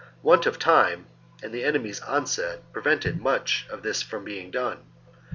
Want of time and the enemy's onset prevented much of this from being done.